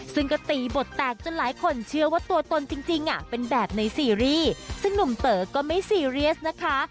ซึ่งก็ตีบทแตกจนหลายคนเชื่อว่าตัวตนจริงเป็นแบบในซีรีส์ซึ่งหนุ่มเต๋อก็ไม่ซีเรียสนะคะ